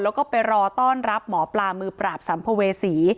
แล้วก็ไปรอต้อนรับหมอปลามือปราบสัมภเวษี